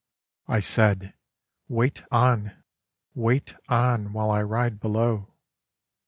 I said, "Wait on, wait on, while I ride below!